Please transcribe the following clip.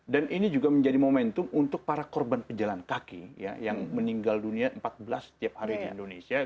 dan ini juga menjadi momentum untuk para korban penjalan kaki yang meninggal dunia empat belas setiap hari di indonesia